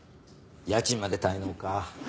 家賃まで滞納か。